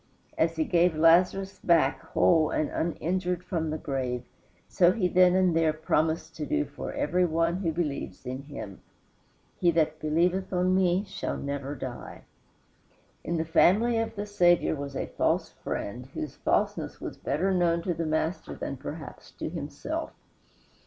As he gave Lazarus back whole and uninjured from the grave, so he then and there promised to do for every one who believes in him: "He that believeth on me shall never die." In the family of the Saviour was a false friend whose falseness was better known to the Master than perhaps to himself.